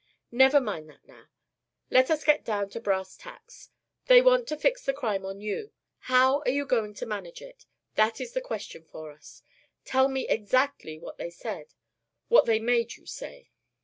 Never mind that now. Let us get down to brass tacks. They want to fix the crime on you. How are they going to manage it? That is the question for us. Tell me exactly what they said, what they made you say."